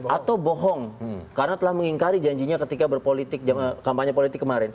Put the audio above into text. atau bohong karena telah mengingkari janjinya ketika berpolitik kampanye politik kemarin